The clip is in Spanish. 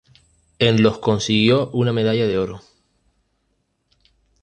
En los consiguió una medalla de oro.